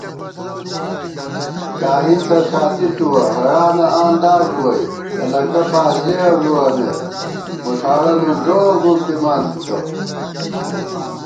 شاہین تہ ساتِی تُوَہ ہېڑانہ آندا ݫُوَئی څلَکہ پازِیَہ ݫُوَمېت مُݭاڑہ نُن ݫُووَہ گُمپِمان تِتہ